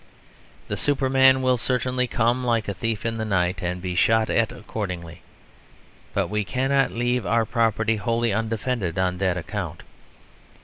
The Superman will certainly come like a thief in the night, and be shot at accordingly; but we cannot leave our property wholly undefended on that account.